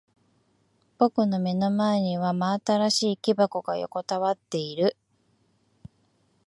僕の目の前には真新しい木箱が横たわっている。